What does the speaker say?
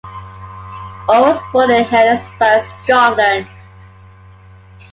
Orr was born in Helensburgh, Scotland.